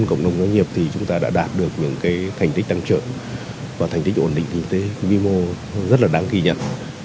cộng đồng doanh nghiệp thì chúng ta đã đạt được những thành tích tăng trưởng và thành tích ổn định kinh tế vĩ mô rất là đáng ghi nhận